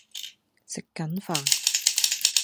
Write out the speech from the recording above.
食緊飯